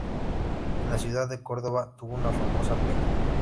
En la ciudad de Córdoba tuvo una famosa peña.